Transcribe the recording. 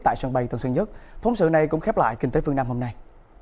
tại sân bay tân sơn nhất phóng sự này cũng khép lại kinh tế phương nam hôm nay